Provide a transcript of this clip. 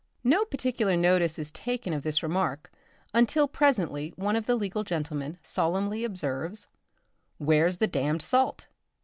No particular notice is taken of this remark, until presently one of the legal gentlemen solemnly observes, "Where's the damned salt?"